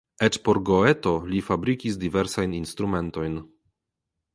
Eĉ por Goeto li fabrikis diversajn instrumentojn.